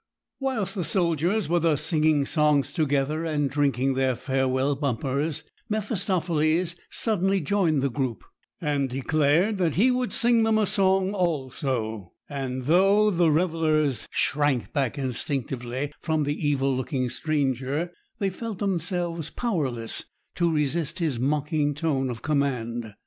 Whilst the soldiers were thus singing songs together and drinking their farewell bumpers, Mephistopheles suddenly joined the group, and declared that he would sing them a song also; and though the revellers shrank back instinctively from the evil looking stranger, they felt themselves powerless to resist his mocking tone of command.